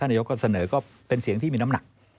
นายกก็เสนอก็เป็นเสียงที่มีน้ำหนัก